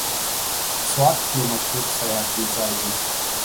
سوات یو مشهور سیاحتي ځای دی.